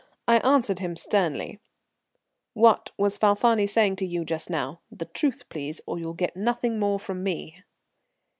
I answered him sternly: "What was Falfani saying to you just now? The truth, please, or you get nothing more from me."